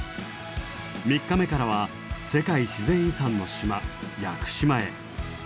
３日目からは世界自然遺産の島屋久島へ。